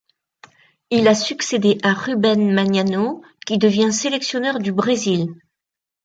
Il a succédé à Rubén Magnano, qui devient sélectionneur du Brésil.